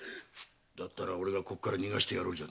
⁉だったら俺がここから逃がしてやる。